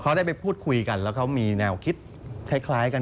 เขาได้ไปพูดคุยกันแล้วเขามีแนวคิดคล้ายกัน